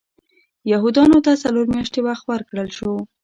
یهودیانو ته څلور میاشتې وخت ورکړل شو.